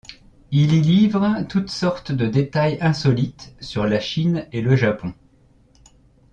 Il y livre toutes sortes de détails insolites sur la Chine et le Japon.